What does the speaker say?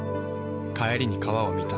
帰りに川を見た。